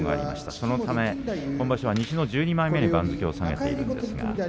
そのため今場所は西の１２枚目に番付を下げている北勝富士。